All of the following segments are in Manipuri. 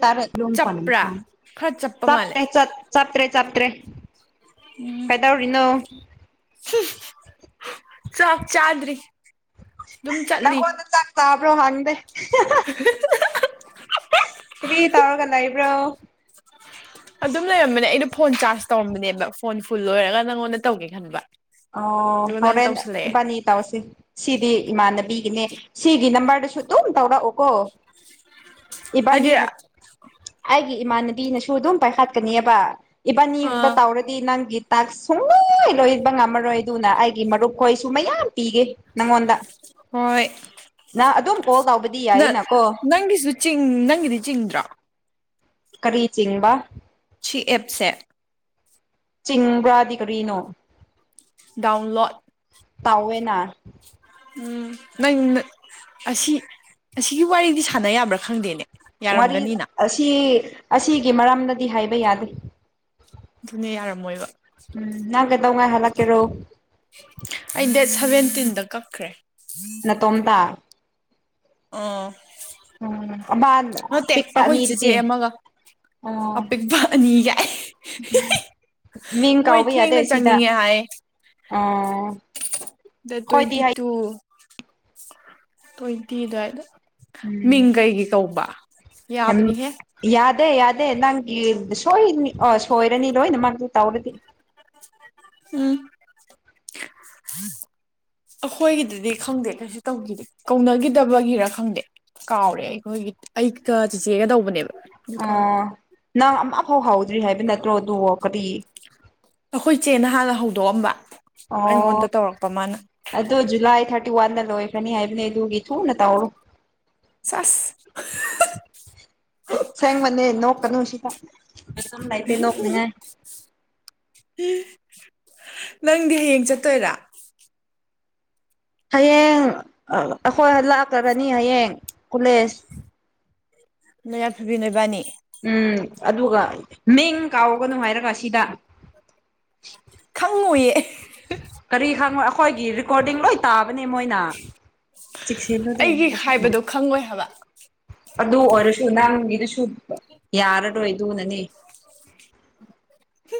ꯇꯔ ꯆꯞꯄ꯭ꯔꯥ ꯈꯔ ꯆꯞꯄ ꯃꯥꯜꯂꯦ [unintelligible] ꯆꯞꯇ꯭ꯔꯦ ꯆꯞꯇ꯭ꯔꯦ ꯎꯝ ꯀꯩꯗꯧꯔꯤꯅꯣ ꯆꯥꯛ ꯆꯥꯗꯔꯤ ꯑꯗꯨꯝ ꯆꯠꯂꯤ ꯅꯪꯉꯣꯟꯗ ꯆꯥꯛ ꯆꯥꯕ꯭ꯔꯣ ꯍꯪꯗꯦ ꯀꯔꯤ ꯇꯧꯔꯒ ꯂꯩ ꯂꯩꯕ꯭ꯔꯣ ꯑꯗꯨꯝ ꯂꯩꯔꯝꯕꯅꯦ ꯑꯩꯗꯣ ꯐꯣꯟ ꯆꯥꯔꯖ ꯇꯧꯔꯝꯕꯅꯦꯕ ꯐꯣꯟ ꯐꯨꯜ ꯑꯣꯏꯔꯒ ꯅꯪꯉꯣꯟꯗ ꯇꯧꯒꯦ ꯈꯟꯕ ꯑꯣ ꯑꯗꯨꯒ ꯅꯪ ꯍꯣꯔꯦꯟ ꯇꯧꯁꯜꯂꯛꯑꯦ ꯏꯕꯥꯅꯤ ꯇꯥꯎꯁꯤ ꯁꯤꯗꯤ ꯏꯃꯥꯟꯅꯕꯤꯒꯤꯅꯦ ꯁꯤꯒꯤ ꯅꯝꯕꯔꯗꯁꯨ ꯑꯗꯨꯝ ꯇꯧꯔꯛꯑꯣ ꯑꯣ ꯏꯕꯥꯅꯤ ꯍꯥꯏꯗꯤ ꯍꯥ ꯑꯩꯒꯤ ꯏꯃꯥꯟꯅꯕꯤꯅꯁꯨ ꯑꯗꯨꯝ ꯄꯥꯏꯈꯠꯀꯅꯤꯕ ꯏꯕꯥꯅꯤ ꯈꯛꯇ ꯑꯥ ꯇꯧꯔꯗꯤ ꯅꯪꯒꯤ ꯇꯥꯛ ꯁꯨꯡꯂꯣꯏ ꯂꯣꯏꯕ ꯉꯝꯃꯔꯣꯏ ꯑꯗꯨꯅ ꯑꯩꯒꯤ ꯃꯔꯨꯞꯈꯣꯏꯁꯨ ꯃꯌꯥꯝ ꯄꯤꯒꯦ ꯅꯪꯉꯣꯟꯗ ꯍꯣꯏ ꯅꯪ ꯑꯗꯨꯝ ꯀꯣꯜ ꯇꯧꯕꯗꯤ ꯅꯪ ꯌꯥꯏꯌꯦꯅꯀꯣ ꯅꯪꯒꯤꯁꯨ ꯆꯤꯡ ꯅꯪꯒꯤꯗꯤ ꯆꯤꯡꯗ꯭ꯔꯣ ꯀꯔꯤꯆꯤꯡ ꯕ ꯁꯤꯑꯞꯁꯦ ꯆꯤꯡꯕ꯭ꯔꯥꯗꯤ ꯀꯔꯤꯅꯣ ꯗꯎꯟꯂꯣꯠ ꯇꯥꯎꯋꯦꯅ ꯎꯃ ꯅꯪ ꯑꯁꯤ ꯑꯁꯤꯒꯤ ꯋꯥꯔꯤꯗꯤ ꯁꯥꯟꯅ ꯌꯥꯕ꯭ꯔꯥ ꯈꯪꯗꯦꯅꯦ ꯋꯥꯔꯤ ꯌꯥꯔꯝꯒꯅꯤꯅ ꯑꯁꯤ ꯑꯁꯤꯒꯤ ꯃꯔꯝꯅꯗꯤ ꯍꯥꯏꯕ ꯌꯥꯗꯦ ꯑꯗꯨꯅꯦ ꯌꯥꯔꯝꯃꯣꯏꯕ ꯎꯝ ꯅꯪ ꯀꯗꯧ ꯉꯩ ꯍꯜꯂꯛ ꯀꯦꯔꯣ ꯑꯩ ꯗꯦꯠ ꯁꯚꯦꯟꯇꯤꯟꯗ ꯀꯛꯈ꯭ꯔꯦ ꯅ ꯇꯣꯝꯇ ꯑꯣ ꯎꯝ ꯑꯃ ꯅꯠꯇꯦ ꯄꯤꯛꯄ ꯑꯩꯈꯣꯏ ꯆꯤꯆꯦ ꯑꯅꯤꯗꯨꯗꯤ ꯑꯃꯒ ꯑꯣ ꯑꯄꯤꯛꯄꯅꯤꯒ ꯃꯤꯡ ꯀꯥꯎꯕ ꯌꯥꯗꯦ ꯁꯤꯗ ꯑꯣ ꯈꯣꯏꯗꯤ ꯇ꯭ꯋꯦꯟꯇꯤ ꯍꯥꯏ ꯇꯨ ꯇ꯭ꯋꯦꯟꯇꯤꯗ ꯍꯥꯏꯗ ꯃꯤꯡ ꯎꯝ ꯀꯩꯒꯤ ꯀꯧꯕ ꯌꯥꯕꯅꯤꯍꯦ ꯑꯗꯦ ꯌꯥꯗꯦ ꯅꯪꯒꯤ ꯁꯣꯏꯅꯤ ꯁꯣꯏꯔꯅꯤ ꯂꯣꯏꯅꯃꯛꯪꯛꯇ ꯇꯧꯔꯗꯤ ꯎꯝ ꯑꯩꯈꯣꯏꯒꯤꯗꯨꯗꯤ ꯈꯪꯗꯦ ꯀꯩꯁꯨ ꯇꯧꯈꯤꯗꯦ ꯀꯧꯅꯈꯤꯗꯕꯒꯤꯔ ꯈꯪꯗꯦ ꯀꯥꯎꯔꯦ ꯑꯩꯈꯣꯏꯒꯤ ꯑꯩꯒ ꯆꯦꯆꯦꯒ ꯇꯧꯕꯅꯦꯕ ꯑꯗꯨ ꯑ ꯀꯥꯎꯔꯦ ꯅꯪ ꯑꯃ ꯐꯥꯎ ꯍꯥꯎꯗ꯭ꯔꯤ ꯍꯥꯏꯕ ꯅꯠꯇ꯭ꯔꯣ ꯑꯗꯨ ꯀꯔꯤ ꯑꯩꯈꯣꯏ ꯆꯦ ꯅꯍꯥꯟꯅ ꯍꯧꯗꯣꯛꯑꯝꯕ ꯑꯣ ꯑꯩꯉꯣꯟꯗ ꯇꯧꯔꯛꯄ ꯃꯥꯅ ꯑꯗꯨ ꯖꯨꯂꯥꯏ ꯊꯥꯔꯇꯤ ꯋꯥꯟ ꯂꯣꯏ ꯐꯅꯤ ꯍꯥꯏꯕꯅꯤ ꯑꯗꯨꯒꯤ ꯊꯨ ꯅ ꯇꯧꯔꯣ ꯁꯁ ꯁꯦꯡꯦꯡ ꯃꯅꯦ ꯅꯣꯛ ꯀꯅ ꯥꯏꯇꯦ ꯅꯣꯅꯤꯡꯉ ꯅꯪꯗꯤ ꯍꯌꯦꯡ ꯆꯠꯇꯣꯏꯔꯥ ꯍꯌꯦꯡ ꯑꯩꯈꯣꯏ ꯂꯥꯛꯈꯕꯅꯤ ꯍꯌꯦꯡ ꯀꯣꯂꯦꯖ ꯅꯣꯏꯌꯥ ꯐꯨꯕꯤ ꯅꯣꯏꯕꯥꯅꯤ ꯎꯝ ꯑꯗꯨꯒ ꯃꯤꯡ ꯀꯥꯎꯒꯅꯨ ꯍꯥꯏꯔꯒ ꯁꯤꯗ ꯈꯪꯉꯨꯌꯦ ꯀꯔꯤ ꯈꯪꯉꯣ ꯑꯩꯈꯣꯏꯒꯤ ꯔꯦꯀꯣꯔꯗꯤꯡ ꯂꯣꯏ ꯇꯥꯕꯅꯦ ꯃꯣꯏꯅ ꯆꯦꯛꯁꯤꯜꯂꯣꯗ ꯑꯩꯒꯤ ꯂꯁ ꯑꯃ ꯍꯥꯏꯕꯗꯣ ꯈꯪꯉꯣꯏ ꯍꯥꯏꯕ ꯑꯗꯨ ꯑꯣꯏꯔꯁꯨ ꯅꯪꯒꯤꯗꯨꯁꯨ ꯌꯥꯔꯔꯣꯏ ꯑꯗꯨꯅꯅꯦ ꯍ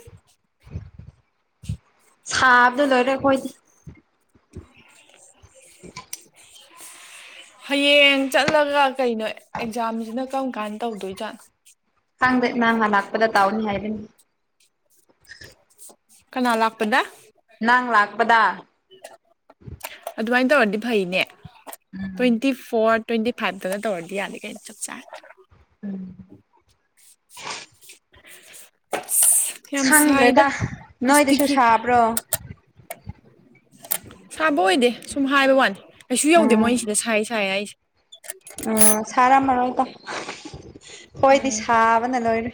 ꯁꯥꯕꯗ ꯂꯣꯏꯔ ꯑꯩꯣꯏꯗꯤ ꯍꯌꯦꯡ ꯆꯠꯂꯒ ꯀꯩꯅꯣ ꯑꯦꯛꯖꯥꯝꯁꯤꯅ ꯀ ꯀꯥꯏꯅ ꯇꯧꯗꯣꯏꯖꯥꯠ ꯈꯪꯗꯦ ꯅꯍꯪꯃ ꯂꯥꯛꯄꯗ ꯇꯥꯎꯅꯤ ꯍꯥꯏꯔꯅꯤ ꯀꯅꯥ ꯂꯥꯛꯄꯗ ꯅꯪ ꯂꯥꯛꯄꯗ ꯑꯗꯨꯃꯥꯏꯅ ꯇꯧꯔꯗꯤ ꯐꯩꯅꯦ ꯎꯝ ꯇ꯭ꯋꯦꯟꯇꯤ ꯐꯣꯔꯠ ꯇ꯭ꯋꯦꯟꯇꯤ ꯐꯥꯏꯚꯇꯅ ꯇꯧꯔꯗꯤ ꯌꯥꯗꯦ ꯀꯩꯅ ꯆꯞ ꯆꯥ ꯎꯝ [inaudible] ꯌꯥꯝ ꯁꯥꯏꯗ ꯈꯪꯗ꯭ꯔꯦꯗ ꯅꯣꯏꯗꯁꯨ ꯑꯁꯇꯒꯤ ꯁꯥꯕ꯭ꯔꯣ ꯁꯥꯕ ꯑꯣꯏꯗꯦ ꯁꯨꯝ ꯍꯥꯏꯕ ꯋꯥꯅꯤ ꯀꯩꯁꯨ ꯌꯧꯗꯦ ꯃꯣꯏꯅꯤꯁꯤꯗ ꯁꯁꯦ ꯍꯥꯏꯁ ꯑꯝ ꯁꯔꯥ ꯃꯑꯣ ꯇ ꯍꯣꯏꯗꯤ ꯁꯥꯕꯅ ꯂꯣꯏꯔꯦ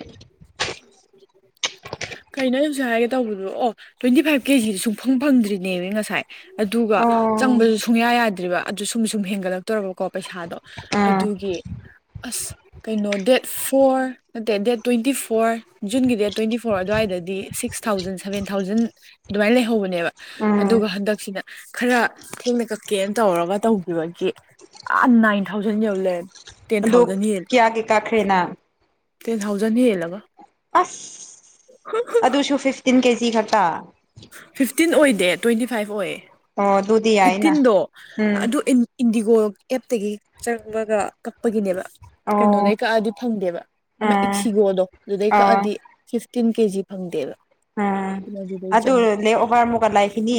ꯀꯨ ꯍꯥꯏꯔꯦ ꯇꯧꯕꯤꯕ ꯑꯣ ꯇ꯭ꯋꯦꯟꯇꯤ ꯐꯥꯏꯚ ꯀꯦꯖꯤꯗ ꯁꯨꯡꯐꯪ ꯐꯪꯗ꯭ꯔꯤꯅꯦꯕ ꯉꯁꯥꯏ ꯑꯗꯨꯒ ꯑꯣ ꯆꯪꯕꯁꯨ ꯁꯨꯡꯌꯥ ꯌꯥꯗ꯭ꯔꯤꯕ ꯑꯗꯨ ꯁꯨꯝ ꯁꯨꯝ ꯍꯦꯟꯒꯠꯂꯛꯇꯧꯔꯕꯀꯣ ꯄꯩꯁꯥꯗꯣ ꯑꯥ ꯑꯗꯨꯒꯤ ꯑꯁ ꯀꯩꯅꯣ ꯗꯦꯠ ꯗꯦꯠ ꯐꯣꯔ ꯅꯠꯇꯦ ꯗꯦꯠ ꯇ꯭ꯋꯦꯟꯇꯤ ꯐꯣꯔ ꯖꯨꯟꯒꯤ ꯗꯦꯠ ꯇ꯭ꯋꯦꯟꯇꯤ ꯐꯣꯔ ꯑꯗꯨꯋꯥꯏꯗꯗꯤ ꯁꯤꯛꯁ ꯊꯥꯎꯖꯟ ꯁꯚꯦꯟ ꯊꯥꯎꯖꯟ ꯑꯗꯨꯃꯥꯏꯅ ꯂꯩꯍꯧꯕꯅꯦꯕ ꯎꯝ ꯑꯗꯨꯒ ꯍꯟꯗꯛꯁꯤꯅ ꯈꯔ ꯊꯦꯡꯅ ꯀꯛꯀꯦꯅ ꯇꯧꯔꯒ ꯇꯧꯕꯈꯤꯕꯒꯤ ꯑ ꯏꯟ ꯊꯥꯎꯖꯟ ꯌꯦꯎꯂꯦ ꯑꯗꯨꯗꯨ ꯀꯌꯥ ꯀꯌꯥ ꯀꯥꯈ꯭ꯔꯦꯅ ꯇꯦꯟ ꯊꯥꯎꯖꯟ ꯍ ꯌꯦꯂꯒ ꯑꯁ ꯑꯗꯨꯁꯨ ꯐꯤꯐꯇꯤꯟ ꯀꯦꯖꯤ ꯈꯛꯇ ꯐꯤꯐꯇꯤꯟ ꯑꯣꯏꯗꯦ ꯇ꯭ꯋꯦꯟꯇꯤ ꯐꯥꯏꯚ ꯑꯣꯏꯌꯦ ꯑꯣ ꯑꯗꯨꯗꯤ ꯌꯥꯏꯅ ꯐꯤꯐꯇꯤꯟꯗꯣ ꯎꯝ ꯑꯗꯨ ꯏꯟꯗꯤꯒꯣ ꯑꯦꯞꯇꯒꯤ ꯆꯪꯉꯒ ꯀꯛꯄꯒꯤꯅꯦꯕ ꯑꯣ ꯀꯩꯅꯣꯗꯩ ꯀꯛꯑꯗꯤ ꯐꯪꯗꯦꯕ ꯑꯃ ꯎꯝ ꯏꯛꯁꯤꯒꯣꯗꯣ ꯑꯗꯨꯗꯩ ꯑꯣ ꯀꯛꯑꯗꯤ ꯇꯤꯟ ꯀꯦꯖꯤ ꯐꯪꯗꯦꯕ ꯎꯝ ꯑꯗꯨꯗꯩ ꯑꯗꯨ ꯆꯪꯉꯤ ꯂ ꯑꯣꯍꯔ ꯃꯨꯒ ꯂꯥꯏ ꯐꯅꯤ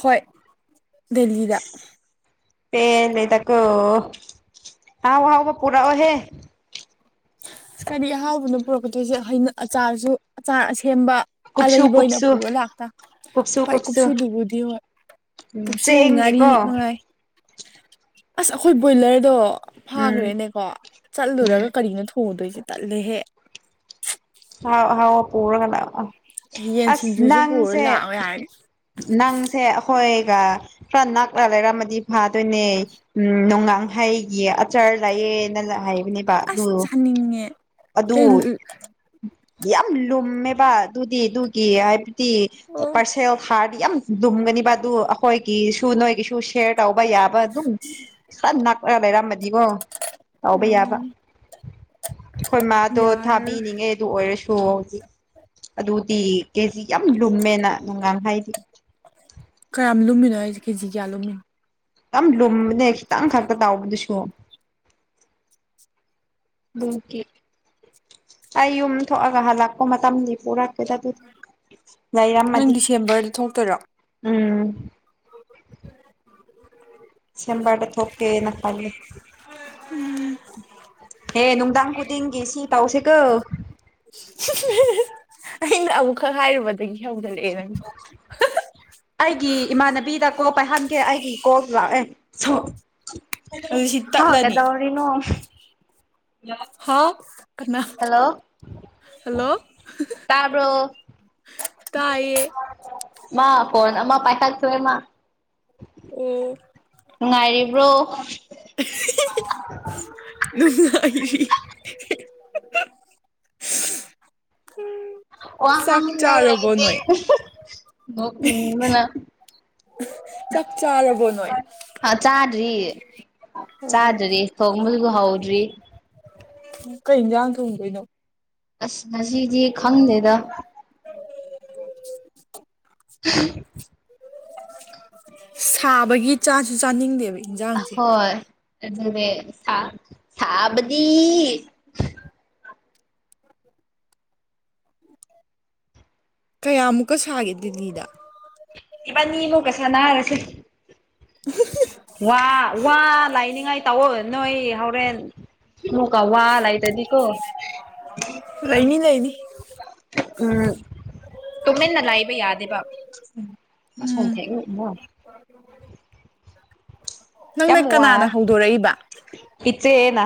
ꯍꯣꯏ ꯗꯦꯜꯂꯤꯗ ꯄ ꯂꯩ ꯇꯀ ꯑ ꯑꯥꯎ ꯄꯨꯔ ꯑꯣꯍꯦ ꯑꯁ ꯀꯗꯤ ꯑꯍꯥꯎꯕꯅ ꯄꯨꯔꯛꯀꯗꯣꯏꯁꯦꯩꯅ ꯑꯆꯥꯔꯁꯨ ꯑꯆꯥꯔ ꯑꯁꯦꯝꯕ ꯀꯨꯞꯁꯨ ꯑꯔꯩꯕ ꯑꯣꯏꯅ ꯀꯨꯞꯁꯨ ꯄꯨꯔ ꯂꯥꯛꯇ ꯀꯨꯞꯁꯨ ꯍꯣꯏ ꯀꯨꯞꯁꯨ ꯀꯨꯞꯁꯨꯗꯨꯕꯨꯗꯤ ꯍꯣꯏ ꯎꯝ ꯄꯨꯛꯁꯨ ꯉꯥꯔꯤ ꯆꯦꯡꯒꯤꯀꯣ ꯃꯉꯥ ꯑꯁ ꯑꯩꯈꯣꯏ ꯕꯣꯏꯂꯔꯗꯣ ꯎꯝ ꯐꯥꯈ꯭ꯔꯦꯅꯦꯀꯣ ꯎꯝ ꯆꯠꯂꯨꯔꯒ ꯊꯨꯗꯣꯏꯁꯦ ꯇꯠꯂꯦꯍꯦ ꯍꯥꯎ ꯍꯥꯎ ꯄꯔ ꯀꯅꯥ ꯌꯦꯟ ꯑꯁ ꯁꯤꯡꯖꯨꯁꯨ ꯄꯨꯔ ꯅꯪꯁꯦ ꯂꯥꯛꯑꯣ ꯌꯥꯔꯅꯤ ꯅꯪꯁꯦ ꯑꯩꯈꯣꯏ ꯈꯔ ꯅꯛꯂ ꯂꯩꯔꯝꯃꯗꯤ ꯐꯥꯗꯣꯏꯅꯦ ꯎꯝ ꯅꯣꯡꯉꯥꯡ ꯍꯩꯒꯤ ꯆꯔ ꯂꯥꯛꯑꯦꯅ ꯍꯥꯏꯕꯅꯦꯕ ꯑꯗꯨ ꯍ ꯑꯗꯨ ꯌꯥꯝ ꯂꯨꯝꯃꯦꯕ ꯑꯗꯨꯗꯤ ꯑꯗꯨꯒꯤ ꯍꯥꯏꯕꯗꯤ ꯑꯣ ꯄꯔꯁꯅꯦꯜ ꯍꯥꯔꯠ ꯌꯥꯝ ꯂꯨꯝꯒꯅꯤꯕ ꯑꯗꯨ ꯑꯩꯈꯣꯏꯒꯤꯁꯨ ꯅꯣꯏꯒꯤꯁꯨ ꯁꯦ ꯎꯕ ꯌꯥꯕ ꯑꯗꯨꯝ ꯁꯝ ꯅꯅꯥꯄ ꯂꯩꯔꯝꯕꯗꯤꯕꯣ ꯇꯥꯎꯕ ꯌꯥꯕ ꯎꯝ ꯑꯩꯈꯣꯏ ꯃꯥꯗꯣ ꯌꯥꯔꯔꯣꯏ ꯊꯥꯕꯤꯅꯤꯡꯉꯦ ꯑꯗꯨ ꯑꯣꯏꯔꯁꯨ ꯑꯣ ꯍꯧꯖꯤꯛ ꯑꯗꯨꯗꯤ ꯀꯦꯖꯤ ꯌꯥꯝ ꯂꯨꯝꯃꯦꯅ ꯅꯨꯡꯉꯥꯟ ꯍꯥꯏꯗꯤ ꯀꯌꯥꯝ ꯂꯨꯝꯃꯤꯅꯣ ꯑꯩꯁꯦ ꯀꯦꯖꯤ ꯀꯌꯥ ꯂꯨꯝꯃꯤꯅꯣ ꯌꯥꯝ ꯂꯨꯝꯕꯅꯦ ꯈꯤꯇꯪ ꯈꯛꯇ ꯇꯥꯎꯕꯗꯨꯁꯨ ꯨꯝꯀꯤ ꯑꯩ ꯌꯨꯝ ꯊꯣꯛꯑꯒ ꯍꯜꯂꯛꯄ ꯃꯇꯝꯗ ꯄꯨꯔꯛ [unintelligible] ꯅꯪ ꯌꯥꯏꯔꯝꯃꯗꯤ ꯗꯤꯁꯦꯝꯕꯔꯗ ꯊꯣꯛꯇꯣꯏꯔꯣ ꯎꯝ [unintelligible] ꯁꯦꯝꯝꯕꯗ ꯊ ꯊꯣꯛꯀꯦꯅ ꯐꯜꯦ ꯎꯝ ꯍꯦ ꯅꯨꯡꯗꯥꯡ ꯈꯨꯗꯤꯡꯒꯤꯦ ꯁꯤ ꯇꯥꯎꯁꯦ ꯀ ꯑꯩꯅ ꯑꯃꯨꯛꯈꯛ ꯍꯥꯏꯔꯨꯕꯗꯒꯤ ꯍꯧꯒꯠꯂꯛꯑꯦ ꯅꯪꯁꯦ ꯑꯩꯒꯤ ꯏꯃꯥꯟꯅꯕꯤꯗ ꯀꯣ ꯄꯥꯏꯍꯟꯒꯦ ꯑꯩꯒꯤ ꯀꯣ ꯂꯥꯛꯑꯦ ꯁꯣ ꯑꯗꯨ ꯁꯤ ꯍ ꯇꯠꯂꯅꯤ ꯀꯦꯗꯥꯎꯔꯤꯅꯣ ꯍꯥꯎ ꯀꯅꯥ ꯍꯜꯂꯣ ꯇꯔꯕ ꯇꯥꯏꯌꯦ ꯃꯥ ꯐꯣꯟꯣꯟ ꯑꯃ ꯄꯊ ꯁ ꯃꯥ ꯎꯝ ꯅꯨꯡꯉꯥꯏꯔꯤꯕ꯭ꯔꯣ ꯅꯨ ꯑꯩ ꯆꯥꯛ ꯋꯥꯉꯥꯡꯉꯏ ꯆꯥꯔꯕꯣ ꯅꯣꯏ ꯂꯩꯗꯦꯕꯅ ꯆꯞ ꯆꯥꯔꯕꯣ ꯅꯣꯏ ꯍꯥ ꯆꯥꯗ꯭ꯔꯤ ꯑꯣ ꯆꯥꯗ꯭ꯔꯤ ꯀꯃꯜꯒꯨ ꯍꯥꯎꯗ꯭ꯔꯤ ꯀꯩ ꯏꯟꯁꯥꯡ ꯊꯣꯡꯗꯣꯏꯅꯣ ꯑꯁ ꯉꯁꯤꯗꯤ ꯈꯪꯗꯦꯗ ꯁꯥꯕꯒꯤ ꯆꯥꯁꯨ ꯆꯥꯅꯤꯡꯗꯦꯕ ꯏꯟꯖꯥꯡꯁꯦ ꯍꯣꯏ ꯑꯗꯨꯦ ꯁꯕꯗꯤ ꯀꯌꯥꯃꯨꯛꯀ ꯁꯥꯒꯦ ꯗꯦꯜꯂꯤꯗ ꯏꯕꯅꯤꯃꯨ ꯀꯁ ꯅꯔꯁ ꯋꯥ ꯋꯥ ꯂꯥꯏꯅꯤꯡꯉꯥꯏ ꯇꯥꯎꯑꯣ ꯅꯣꯏ ꯍꯣꯔꯦꯟ ꯍꯋꯥ ꯂꯥꯏ ꯇꯗꯤꯀꯣ ꯂꯩꯅꯤ ꯂꯩꯅꯤ ꯎꯝ ꯇꯨꯃꯤꯟꯅ ꯂꯥꯏꯕ ꯌꯥꯗꯦꯕ ꯎꯝ ꯅꯪꯅ ꯌꯥꯝꯃ ꯀꯅꯥꯅ ꯍꯧꯗꯣꯔꯛꯏꯕ ꯏꯆꯦꯅꯥ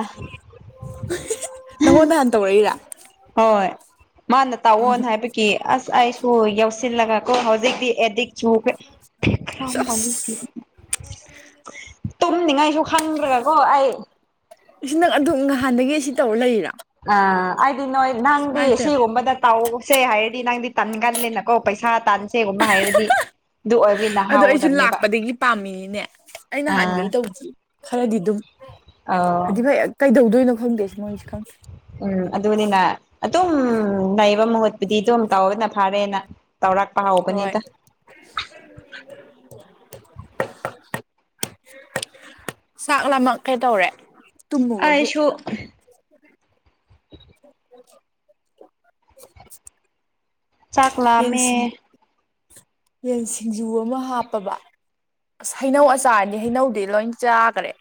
ꯅꯪ ꯍꯣꯗ ꯑ ꯇ ꯋꯥ ꯋꯥꯔꯤꯔꯥ ꯍꯣꯏ ꯃꯥꯅ ꯇꯥꯛꯑꯣꯅ ꯍꯥꯏꯕꯒꯤ ꯑꯁ ꯑꯩꯁꯨ ꯌꯥꯧꯁꯤꯜꯂꯒ ꯀꯣ ꯍꯧꯖꯤꯛꯇꯤ ꯑꯦꯗꯤꯛ ꯆꯨꯈ꯭ꯔꯦ ꯊ ꯈꯔꯝ ꯑꯣ ꯇꯨꯝꯅꯤꯉꯥꯏꯁꯨ ꯈꯪꯗ꯭ꯔꯒ ꯀꯣ ꯑꯩ ꯁꯤ ꯅꯪ ꯑꯗꯨꯝ ꯅꯍꯥꯟꯗꯒꯤ ꯁꯤ ꯇꯧꯔ ꯂꯩꯔꯥ ꯑ ꯍꯥꯏꯗꯤ ꯅꯣꯏ ꯅꯪꯗꯤ ꯄꯦꯝꯃ ꯁꯤꯒꯨꯝꯕꯗ ꯇꯥꯎꯁꯦ ꯍꯥꯏꯗꯤ ꯅꯪꯗꯤ ꯇꯟꯒꯂꯅꯀꯣ ꯄꯩꯁꯥ ꯇꯥꯟꯁꯦꯒꯨꯝꯕ ꯍꯥꯏꯔꯗꯤ ꯑꯗꯨ ꯑꯣꯏꯕꯅꯤꯅ ꯑꯗꯣ ꯑꯩꯁꯨ ꯍꯥꯎꯒꯗꯕꯅꯦꯕ ꯂꯥꯛꯄꯗꯒꯤ ꯄꯥꯝꯃꯤꯅꯦ ꯑ ꯑꯥ ꯅꯍꯥꯟꯈꯩ ꯇꯧꯕꯗ ꯈꯔꯗꯤ ꯑꯗꯨꯝ ꯑꯧ ꯍꯥꯏꯗꯤ ꯐꯩ ꯀꯩꯗꯧꯗꯣꯏꯅꯣ ꯈꯪꯗꯦ ꯁꯤ ꯃꯣꯏꯅꯤꯁꯨ ꯈꯪꯗꯦ ꯎꯝ ꯑꯗꯨꯅꯤꯅ ꯑꯗꯨꯝ ꯅꯩꯕ ꯃꯨꯠꯄꯨꯗꯤ ꯑꯗꯨꯝ ꯇꯧꯅ ꯐꯔꯦꯅ ꯇꯧꯔꯥꯛ ꯄꯥꯑꯣꯣ ꯄꯅꯤ ꯍꯣꯏ ꯏꯇ ꯆꯥꯛ ꯂꯥꯃꯛ ꯀꯩꯇꯧꯔꯦ ꯑꯁꯨꯣ [unintelligible] ꯆꯥꯛꯥꯛꯂꯝꯥꯃꯦ ꯌꯦꯟꯁꯤꯡ ꯌꯦꯟ ꯁꯤꯡꯖꯨ ꯑꯃ ꯍꯥꯞꯄꯕ ꯑꯁ ꯍꯩꯅꯧ ꯑꯆꯥꯔꯅꯤ ꯍꯩꯅꯧꯗꯤ ꯂꯣꯏ ꯆꯥꯈꯔꯦ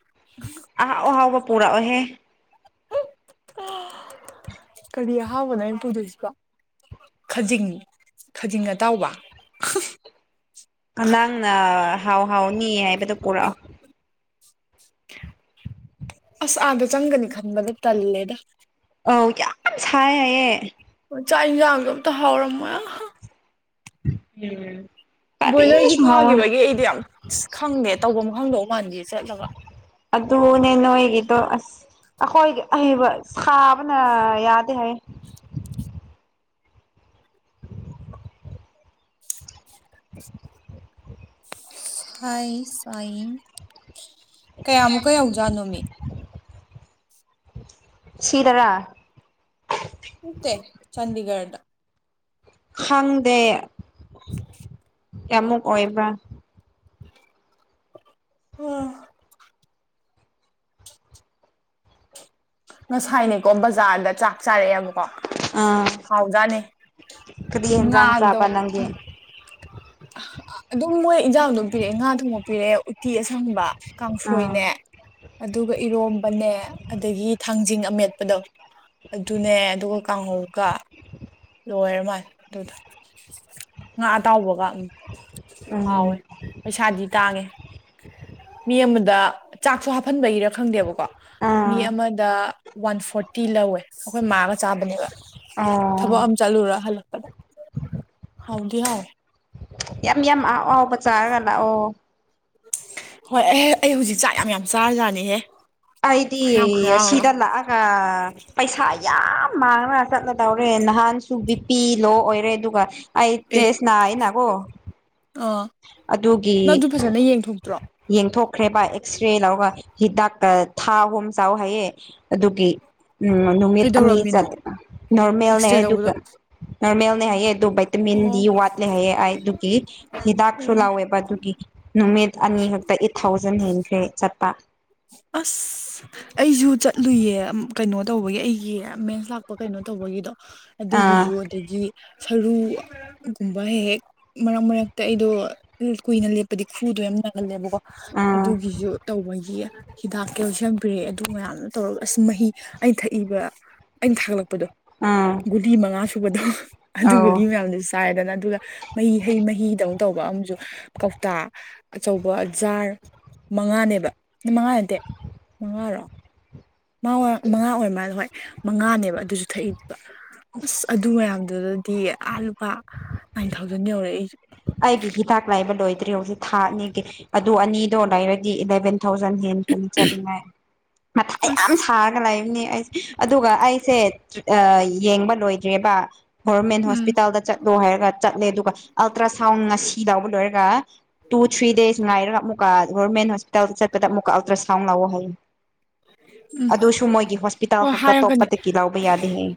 ꯑꯍꯥꯛ ꯑꯍꯥꯎꯕ ꯄꯨꯔꯛꯑꯣꯍꯦ ꯀꯔꯤ ꯑꯍꯥꯎꯕꯅꯣ ꯑꯩꯅ ꯄꯨꯗꯣꯏꯁꯤꯕ ꯈꯖꯤꯡ ꯈꯖꯤꯡ ꯑꯇꯥꯎꯕ ꯅꯪꯅ ꯍꯥꯎ ꯍꯥꯎꯅꯤ ꯍꯥꯏꯕꯗꯣ ꯄꯨꯔꯛꯑꯣ ꯑꯁ ꯑꯥꯗꯣ ꯆꯪꯒꯅꯤ ꯈꯟꯕꯗ ꯇꯜꯂꯦꯗ ꯑꯧ ꯌꯥꯝ ꯁꯥꯏ ꯍꯥꯏꯌꯦ ꯆꯥꯛ ꯏꯟꯁꯥꯡꯖꯨ ꯑꯝꯇ ꯍꯥꯎꯔꯝꯃꯣꯏ ꯑꯥꯍ [inaudible] ꯕꯣꯏꯂꯔꯁꯨ ꯀꯔꯤꯁꯨ ꯍꯥꯎ ꯐꯥꯈꯤꯕꯒꯤ ꯑꯩꯗꯤ ꯌꯥꯝ ꯑꯁ ꯈꯪꯗꯦ ꯇꯧꯕꯝ ꯈꯪꯗꯧ ꯃꯥꯟꯗꯦ ꯆꯠꯂꯒ ꯑꯗꯨꯅꯦ ꯅꯣꯏ ꯑꯣ ꯑꯁ ꯑꯩꯈꯣꯏꯒꯤ ꯑꯍꯩꯕ ꯁꯥꯕꯅ ꯌꯥꯗꯦ ꯍꯥꯏꯌꯦ [inaudible] [inaudible] ꯁꯥꯏ ꯁꯥꯏ ꯀꯌꯥꯃꯨꯛꯀ ꯌꯧꯖꯥꯠꯅꯣꯃꯤ ꯁꯤꯗꯔꯥ ꯅꯠꯇꯦ ꯆꯥꯟꯗꯤꯒꯔꯗ ꯈꯪꯗꯦ [inaudible] ꯀꯌꯥꯃꯨꯛ ꯑꯣꯏꯕ꯭ꯔꯥ [inaudible] ꯉꯁꯥꯏꯅꯦꯀꯣ ꯕꯖꯥꯔꯗ ꯆꯥꯛ ꯆꯥꯔꯛꯑꯦꯕꯛ ꯀꯣ ꯑꯥ ꯍꯥꯎꯖꯥꯠꯅꯤ ꯀꯔꯤ ꯌꯦꯟꯖꯥꯡ ꯉꯥꯗꯣ ꯆꯥꯕ ꯎ ꯅꯪꯗꯤ ꯑꯗꯨꯝ ꯃꯣꯏ ꯏꯟꯖꯥꯡ ꯑꯗꯨꯝ ꯄꯤꯔꯛꯑꯦ ꯉꯥ ꯊꯣꯡꯕ ꯄꯤꯔꯛꯑꯦ ꯎꯇꯤ ꯑꯁꯪꯕ ꯑꯥ ꯀꯥꯡꯁꯣꯏꯅꯦ ꯑꯗꯨꯒ ꯏꯔꯣꯝ ꯕꯅꯦ ꯑꯗꯒꯤ ꯊꯥꯡꯖꯤꯡ ꯑꯃꯦꯠꯄꯗꯣ ꯑꯗꯨꯅꯦ ꯑꯗꯨꯒ ꯀꯥꯡꯍꯧꯒ ꯂꯣꯏꯔ ꯃꯥꯅꯤ ꯑꯗꯨꯗꯣ ꯉꯥ ꯑꯇꯥꯎꯕꯒ ꯎꯝ ꯍꯥꯎꯋꯦ ꯄꯩꯁꯥꯗꯤ ꯇꯥꯡꯉꯦ ꯃꯤ ꯑꯃ ꯗ ꯆꯥꯛꯁꯨ ꯍꯥꯞꯍꯟꯕꯒꯤꯔ ꯈꯪꯗꯦꯕꯀꯣ ꯃꯤ ꯑꯥ ꯑꯃꯗ ꯋꯥꯟ ꯐꯣꯔꯇꯤ ꯂꯧꯋꯦ ꯑꯩꯈꯣꯏ ꯃꯥꯒ ꯆꯥꯕꯅꯦꯕ ꯊꯕꯛ ꯑꯣ ꯑꯃ ꯆꯠꯂꯨꯔ ꯍꯜꯂꯛꯄꯗ ꯍꯥꯎꯗꯤ ꯍꯥꯋꯦ ꯌꯥꯝ ꯌꯥꯝ ꯑꯍꯥꯎꯕ ꯆꯥꯔꯒ ꯂꯥꯛꯑꯣ ꯍꯣꯏ ꯑꯩ ꯑꯩ ꯍꯧꯖꯤꯛ ꯆꯥꯛ ꯌꯥꯝ ꯌꯥꯝ ꯆꯥꯔꯖꯥꯠꯅꯤꯍꯦ ꯑꯩꯗꯤ ꯈꯨꯌꯥꯝ ꯈꯨꯌꯥꯝ ꯑꯃ ꯑꯁꯤꯗ ꯂꯥꯑꯒ ꯄꯩꯁꯥ ꯌꯥꯝ ꯃꯥꯡꯒ ꯆꯠꯂꯗꯧꯔꯦ ꯉꯍꯥꯟꯁꯨ ꯕꯤꯄꯤ ꯂꯣ ꯑꯣꯏꯔꯦ ꯑꯗꯨꯒ ꯑꯩ ꯑꯦ ꯇꯁꯅꯥꯏꯅꯀꯣ ꯑꯥ ꯑꯗꯨꯒꯤ ꯅꯪ ꯑꯗꯨ ꯐꯖꯅ ꯌꯦꯡꯊꯣꯛꯇ꯭ꯔꯣ ꯌꯦꯡꯊꯣꯛꯈ꯭ꯔꯦꯕ ꯑꯦꯛꯁ ꯔꯦ ꯂꯧꯔꯒ ꯍꯤꯗꯥꯛꯀ ꯊꯥ ꯑꯍꯨꯝ ꯆꯥꯎ ꯍꯥꯏꯌꯦ ꯑꯗꯨꯒꯤ ꯎꯝ ꯅꯨꯃꯤꯠ ꯑꯅꯤ ꯆ ꯀꯩꯗꯧꯔꯝꯃꯤꯅꯣ ꯅꯣꯔꯃꯦꯜꯅꯦ ꯑꯦꯛꯁꯔꯦ ꯂꯧꯕꯗꯣ ꯑꯗꯨꯒ ꯅꯣꯔꯃꯦꯜꯅꯦ ꯍꯥꯏꯌꯦ ꯗꯨ ꯕꯩꯇꯥꯃꯤꯟ ꯗꯤ ꯑꯣ ꯋꯥꯠꯂꯦ ꯍꯥꯏꯌꯦ ꯑꯩ ꯑꯗꯨꯒꯤ ꯍꯤꯗꯥꯛꯁꯨ ꯎꯝ ꯂꯥꯎꯋꯦꯕ ꯑꯗꯨꯒꯤ ꯅꯨꯃꯤꯠ ꯑꯅꯤ ꯈꯛꯇ ꯑꯦꯠ ꯊꯥꯎꯖꯟ ꯍꯦꯟꯈ꯭ꯔꯦ ꯆꯠꯄ ꯑꯁ ꯑꯩꯁꯨ ꯆꯠꯂꯨꯏꯌꯦ ꯀꯩꯅꯣ ꯇꯧꯕꯒꯤ ꯑꯩꯒꯤ ꯃꯦꯟꯁ ꯂꯥꯛꯄ ꯀꯩꯅꯣ ꯇꯧꯕꯒꯤꯗꯣ ꯑꯥ ꯑꯗꯨꯒꯤꯁꯨ ꯑꯗꯒꯤ ꯁꯔꯨ ꯨꯕꯩ ꯍꯦꯛ ꯍꯦꯛ ꯃꯔꯛ ꯃꯔꯛꯇ ꯑꯩꯗꯣ ꯀꯨꯏꯅ ꯂꯦꯞꯄꯗꯤ ꯈꯨꯗꯣ ꯌꯥꯝ ꯅꯥꯒꯜꯂꯦꯕꯀꯣ ꯑꯥ ꯑꯗꯨꯒꯤꯁꯨ ꯇꯧꯕꯒꯤ ꯍꯤꯗꯥꯛ ꯀꯦꯜꯁꯤꯝ ꯄꯤꯔꯦ ꯑꯗꯨ ꯃꯌꯥꯝꯅ ꯇꯧꯔꯒ ꯑꯁ ꯃꯍꯤ ꯑꯩꯩꯅ ꯊꯛꯏꯕ ꯑꯩꯅ ꯊꯥꯒꯠꯂꯛꯄꯗꯣ ꯑꯥ ꯒꯨꯂꯤ ꯃꯉꯥ ꯁꯨꯕꯗꯣ ꯑꯧ ꯑꯗꯨꯒꯒꯤ ꯃꯌꯥꯝꯗꯨꯁꯨ ꯆꯥꯏꯗꯅ ꯑꯗꯨꯒ ꯃꯍꯤ ꯍꯩ ꯃꯍꯤꯗꯧꯅ ꯇꯧꯕ ꯑꯃꯁꯨ ꯀꯧꯇꯥ ꯑꯆꯧꯕ ꯖꯥꯔ ꯃꯉꯥꯅꯦꯕ ꯃꯉꯥ ꯅꯠꯇꯦ ꯃꯉꯥꯔꯣ ꯃꯉꯥ ꯑꯣꯏꯔ ꯃꯥꯜꯂꯦ ꯍꯣꯏ ꯃꯉꯥꯅꯦꯕ ꯑꯗꯨꯁꯨ ꯊꯛꯏꯕ ꯑꯁ ꯑꯗꯨ ꯃꯌꯥꯝꯗꯨꯗꯗꯤ ꯑꯥ ꯂꯨꯄꯥ ꯅꯥꯏꯟ ꯊꯥꯎꯖꯟ ꯌꯧꯔꯦ ꯑꯩꯒ ꯑꯩꯒꯤ ꯍꯤꯗꯥꯛ ꯂꯥꯏꯕ ꯂꯣꯏꯗ꯭ꯔꯤ ꯍꯧꯖꯤꯛ ꯊꯥ ꯑꯅꯤꯒꯤ ꯑꯗꯨ ꯑꯅꯤꯗꯣ ꯂꯩꯔꯗꯤ ꯏꯂꯚꯦꯟ ꯊꯥꯎꯖꯟ ꯍꯦꯟ ꯀꯅ ꯆꯠꯅꯤꯡꯉꯥꯏ ꯃꯊꯥꯏ ꯌꯥꯝ ꯑꯁ ꯁꯥꯔꯒ ꯂꯩꯕꯅꯤ ꯑꯩ ꯑꯗꯨꯒ ꯑꯩꯁꯦ ꯌꯦꯡꯕ ꯂꯣꯏꯗ꯭ꯔꯦꯕ ꯒꯣꯕꯔꯃꯦꯟ ꯎꯝ ꯍꯣꯁꯄꯤꯇꯥꯜꯗ ꯆꯠ ꯗꯣ ꯍꯥꯏꯔ ꯆꯠꯂꯦ ꯑꯗꯨꯒ ꯑꯜꯇ꯭ꯔ ꯁꯥꯎꯟ ꯉꯁꯤ ꯂꯎꯕ ꯂꯣꯏꯔꯒ ꯇꯨ ꯊ꯭ꯔꯤ ꯗꯦꯖ ꯉꯥꯏꯔꯒ ꯑꯃꯨꯛꯀ ꯒꯚꯣꯔꯃꯦꯟ ꯍꯣꯁꯄꯤꯇꯥꯜꯗ ꯆꯠꯄꯗ ꯑꯃꯨꯛꯀ ꯑꯜꯇ꯭ꯔꯥꯁꯥꯎꯟ ꯂꯑꯣ ꯍꯥꯏꯌꯦ ꯎꯝ ꯑꯗꯨꯁꯨ ꯃꯣꯏꯒꯤ ꯍꯣꯁꯄꯤꯇꯥꯜ ꯍꯣꯏ ꯈꯛꯇ ꯍꯥꯏꯔꯒꯅꯤ ꯑꯇꯣꯞꯄꯗꯒꯤ ꯂꯧꯕ ꯌꯥꯗꯦ ꯍꯥꯏꯌꯦ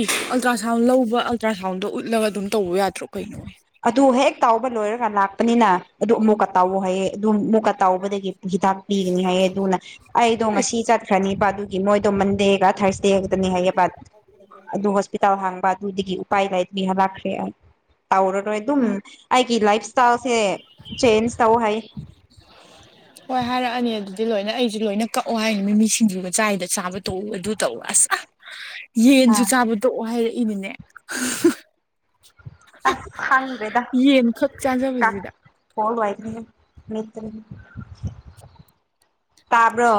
ꯏ ꯑꯜꯇ꯭ꯔ ꯁꯥꯎꯟ ꯂꯧꯕ ꯑꯜꯇ꯭ꯔ ꯁꯥꯎꯟꯗꯣ ꯎꯠꯂꯒ ꯑꯗꯨꯝ ꯇꯧꯕ ꯌꯥꯗ꯭ꯔꯣ ꯀꯩꯅꯣ ꯑꯗꯨ ꯍꯦꯛ ꯇꯥꯎꯕ ꯂꯣꯏꯔꯒ ꯂꯥꯛꯄꯅꯤꯅ ꯑꯗꯨ ꯑꯃꯨꯛꯀ ꯇꯥꯎꯑꯣ ꯍꯥꯏꯌꯦ ꯑꯗꯨ ꯑꯃꯨꯛꯀ ꯇꯥꯎꯕꯗꯒꯤ ꯍꯤꯗꯥꯛ ꯄꯤꯒꯅꯤ ꯍꯥꯏꯌꯦ ꯑꯗꯨꯅ ꯑꯩꯗꯣ ꯑꯦ ꯉꯁꯤ ꯆꯠꯈ꯭ꯔꯅꯤꯕ ꯑꯗꯨꯒꯤ ꯃꯣꯏꯗꯣ ꯃꯟꯗꯦꯒ ꯊꯥꯔꯁ ꯇꯦꯒꯅꯤ ꯍꯥꯏꯌꯦꯕ ꯑꯗꯨ ꯍꯣꯁꯄꯤꯇꯥꯜ ꯍꯥꯡꯕ ꯑꯗꯨꯗꯒꯤ ꯎꯄꯥꯏ ꯂꯩꯇ꯭ꯔꯤꯍꯂꯛꯈ꯭ꯔꯦ ꯑꯩ ꯇꯧꯔꯔꯣꯏ ꯑꯗꯨꯝ ꯑꯩꯒꯤ ꯂꯥꯏꯐ ꯏꯁꯁꯦ ꯆꯦꯟꯖ ꯇꯧ ꯍꯥꯏ ꯍꯣꯏ ꯍꯥꯏꯔꯛꯑꯅꯤ ꯑꯗꯨꯗꯤ ꯂꯣꯏꯅ ꯑꯩꯁꯨ ꯂꯣꯏꯅ ꯀꯛꯑꯣ ꯍꯥꯏꯅꯤ ꯃꯤꯃꯤꯁꯤꯡꯖꯨꯒ ꯆꯥꯏꯗ ꯆꯥꯕ ꯇꯣꯛꯎ ꯑꯗꯨ ꯇꯧ ꯑꯁ ꯌꯦꯟꯁꯨ ꯆꯥꯕ ꯇꯣꯛꯑꯣ ꯍꯥꯏꯔꯛꯏꯅꯤꯅꯦ ꯑ ꯈꯪꯕꯦꯗꯥ ꯌꯦꯟ ꯈꯛ ꯀꯥꯛ ꯆꯥꯖꯕꯁꯤꯗ ꯍꯔ ꯋꯥꯏ ꯇꯥꯕ꯭ꯔꯣ